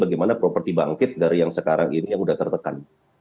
bagaimana properti bangkit dari yang sekarang ini yang sudah tertekan